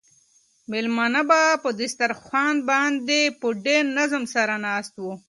مېلمانه په دسترخوان باندې په ډېر نظم سره ناست وو.